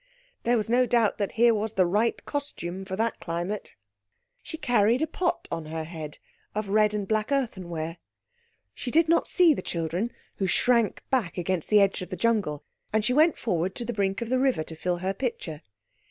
There was no doubt that here was the right costume for that climate. She carried a pot on her head, of red and black earthenware. She did not see the children, who shrank back against the edge of the jungle, and she went forward to the brink of the river to fill her pitcher.